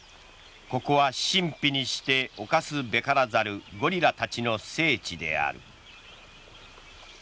ここは神秘にして侵すべからざるゴリラたちの聖地である。